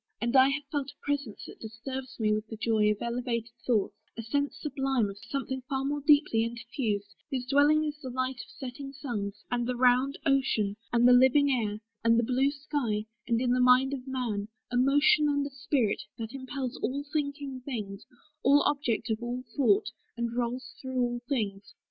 And I have felt A presence that disturbs me with the joy Of elevated thoughts; a sense sublime Of something far more deeply interfused, Whose dwelling is the light of setting suns, And the round ocean, and the living air, And the blue sky, and in the mind of man, A motion and a spirit, that impels All thinking things, all objects of all thought, And rolls through all things.